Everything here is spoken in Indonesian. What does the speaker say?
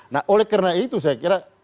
nah oleh karena itu saya kira